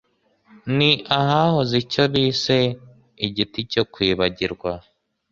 ni ahahoze icyo bise “Igiti cyo kwibagirwa.”